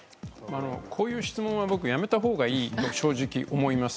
こういう質問は僕やめたほうがいいと思います。